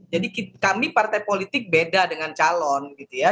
kami partai politik beda dengan calon gitu ya